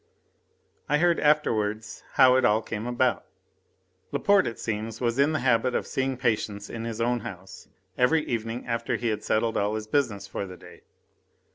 I heard afterwards how it all came about. Laporte, it seems, was in the habit of seeing patients in his own house every evening after he had settled all his business for the day.